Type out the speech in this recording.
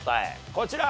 こちら。